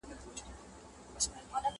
ورته جوړه په ګوښه کي هدیره سوه!.